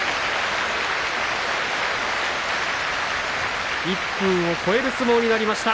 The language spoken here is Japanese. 拍手１分を超える相撲になりました。